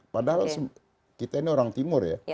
padahal kita ini orang timur ya